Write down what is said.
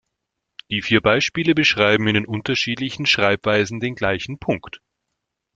Die vier Beispiele beschreiben in den unterschiedlichen Schreibweisen den gleichen Punkt.